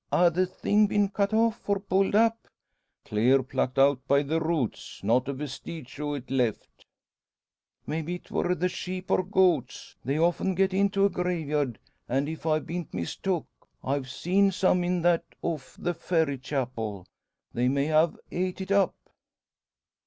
Ha' the thing been cut off, or pulled up?" "Clear plucked out by the roots. Not a vestige o' it left!" "Maybe 'twer the sheep or goats. They often get into a graveyard; and if I beant mistook I've seen some in that o' the Ferry Chapel. They may have ate it up?"